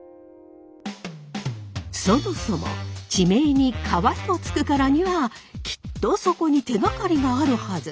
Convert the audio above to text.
そもそも地名に「川」と付くからにはきっとそこに手がかりがあるはず。